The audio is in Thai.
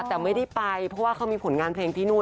แต่ไม่ได้ไปเพราะว่าเขามีผลงานเพลงที่นู่น